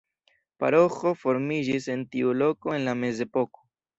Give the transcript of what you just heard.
Paroĥo formiĝis en tiu loko en la mezepoko.